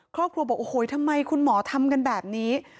ครอบครัวบอกโอ้โหทำไมคุณหมอทำกันแบบนี้